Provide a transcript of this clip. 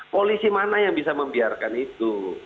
polisi mana yang bisa membiarkan itu